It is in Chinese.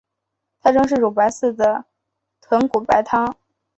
特征是乳白色的豚骨白汤。